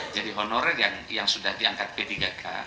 honorer yang sudah diangkat p tiga k